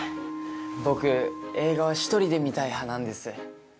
僕映画は１人で見たい派なんです。